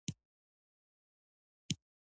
• پښتو نومونه ښکلی معنا لري.